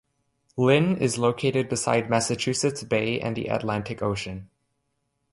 Lynn is located beside Massachusetts Bay and the Atlantic Ocean.